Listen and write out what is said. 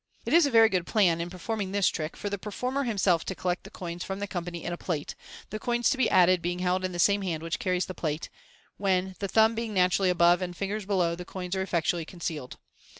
It is a very good plan, in performing this trick, for the performer himself to collect the coins from the company in a plate, the coins to be added being held in the same hand which carries the plate, when, the thumb being naturally above and the fingers below, the coins are effectually conceaU d.